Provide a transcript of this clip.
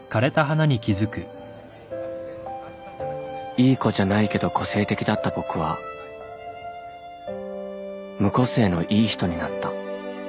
いい子じゃないけど個性的だった僕は無個性のいい人になった